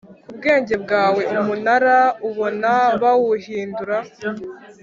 ku bwenge bwawe Umunara ubona bawuhindura